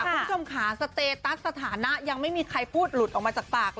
คุณผู้ชมค่ะสเตตัสสถานะยังไม่มีใครพูดหลุดออกมาจากปากเลย